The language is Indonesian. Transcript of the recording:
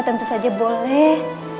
tentu saja boleh